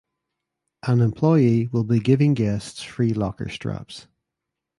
An employee will be giving guests free locker straps.